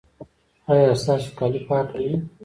ایا ستاسو کالي پاک نه دي؟